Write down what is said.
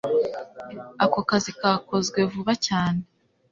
Ako kazi kakozwe vuba cyane